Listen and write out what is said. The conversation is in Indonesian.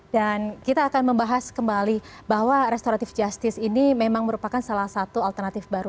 dan kita akan membahas kembali bahwa restoratif justice ini memang merupakan salah satu alternatif baru